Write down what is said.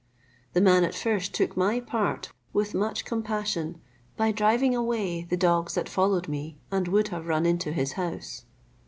The man at first took my part with much compassion, by driving away the dogs that followed me, and would have run into his house.